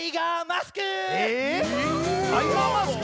タイガーマスク！